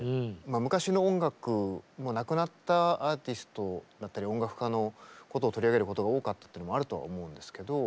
昔の音楽もう亡くなったアーティストだったり音楽家のことを取り上げることが多かったというのもあるとは思うんですけど